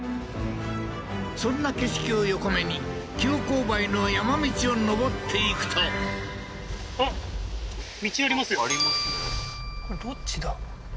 そんな景色を横目に急勾配の山道を上っていくとありますねあっ